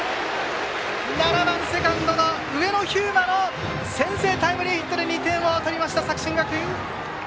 ７番セカンド、上野飛馬の先制タイムリーヒットで２点を取りました、作新学院。